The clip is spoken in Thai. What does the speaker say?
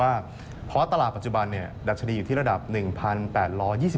ว่าเพราะว่าตลาดปัจจุบันดักชดีอยู่ที่ระดับ๑๘๒๐จุด